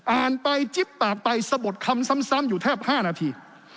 อ่านไปจิ๊บปากไปสะบดคำซ้ำอยู่แทบ๕นาที